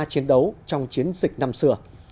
chiến đấu trong chiến dịch năm xưa